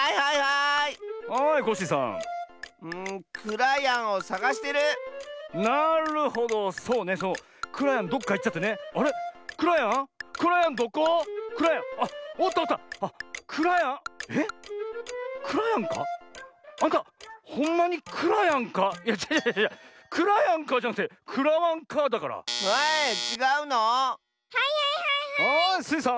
はいスイさん。